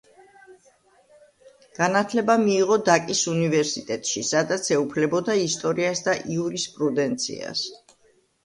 განათლება მიიღო დაკის უნივერსიტეტში, სადაც ეუფლებოდა ისტორიას და იურისპრუდენციას.